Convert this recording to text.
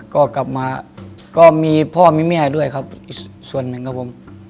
ก็กลับมาก็มีพ่อมีแม่ด้วยครับอีกส่วนหนึ่งครับผม